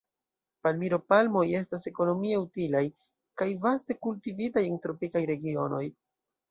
Palmiro-palmoj estas ekonomie utilaj, kaj vaste kultivitaj en tropikaj regionoj.